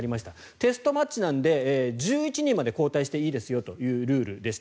テストマッチなので１１人まで交代していいですよというルールでした。